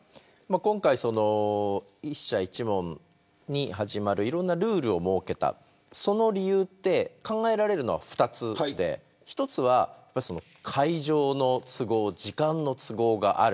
今回、１社１問に始まるいろんなルールを設けたその理由って考えられるのは２つで一つは会場の都合時間の都合がある。